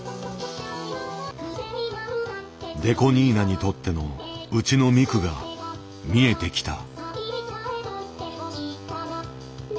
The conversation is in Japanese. ＤＥＣＯ２７にとっての「うちのミク」が見えてきた。